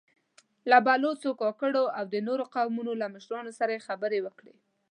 له بلوڅو، کاکړو او د نورو قومونو له مشرانو سره يې خبرې وکړې.